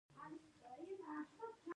د خرما ګل د قوت لپاره وکاروئ